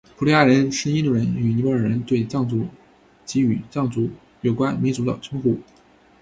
菩提亚人是印度人与尼泊尔人对藏族及与藏族有关民族的称呼。